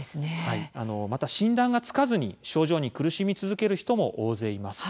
また診断がつかず症状に苦しみ続ける人も大勢います。